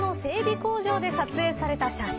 工場で撮影された写真。